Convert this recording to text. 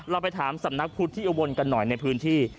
เราไปถามสำนักพุทธที่อุบลกันหน่อยในพื้นที่